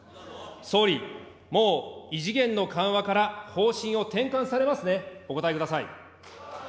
総理、もう異次元の緩和から方針を転換されますね、お答えください。